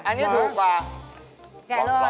อันนี้ถูกกว่า